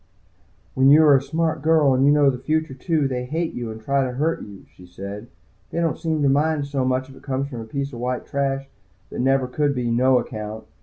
"When you are a smart girl, and you know the future, too, they hate you and try to hurt you," she said. "They don't seem to mind it so much if it comes from a piece of white trash that never could be 'no account.'